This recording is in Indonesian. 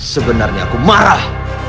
sebenarnya aku marah